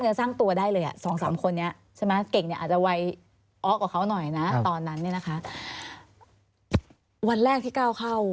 คือสร้างตัวได้เลยอ่ะ๒๓คนเนี่ย